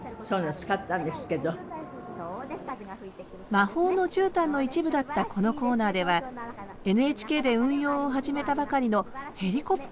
「魔法のじゅうたん」の一部だったこのコーナーではＮＨＫで運用を始めたばかりのヘリコプターを使用。